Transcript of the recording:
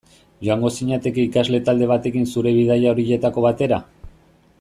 Joango zinateke ikasle talde batekin zure bidaia horietako batera?